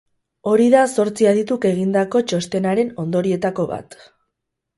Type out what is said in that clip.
Hori da zortzi adituk egindako txostenaren ondorioetako bat.